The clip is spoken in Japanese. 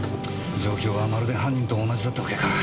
状況はまるで犯人と同じだったわけか。